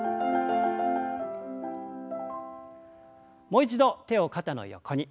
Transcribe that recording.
もう一度手を肩の横に。